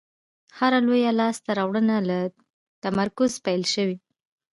هره لویه لاستهراوړنه له تمرکز پیل شوې.